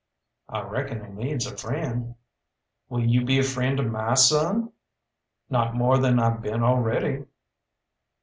"I reckon he needs a friend." "Will you be a friend to my son?" "Not more than I been already."